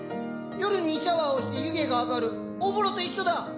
夜にシャワーをして湯気が上がるお風呂と一緒だ！